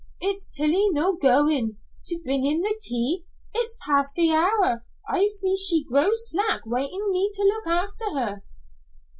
"Is Tillie no goin' to bring in the tea? It's past the hour. I see she grows slack, wantin' me to look after her."